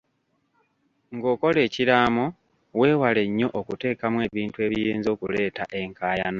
Ng'okola ekiraamo weewale nnyo okuteekamu ebintu ebiyinza okuleeta enkaayana.